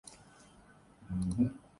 کیونکہ اس طرح سے شعور گرفت کم ہو ج ہے